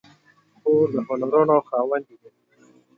خور د هنرونو خاوندې ده.